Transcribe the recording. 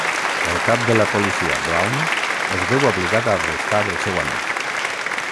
El cap de la policia Brown es veu obligat a arrestar el seu amic.